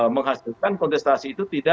menghasilkan kontestasi itu tidak